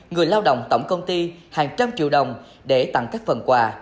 người lao động tổng công ty hàng trăm triệu đồng để tặng các phần quà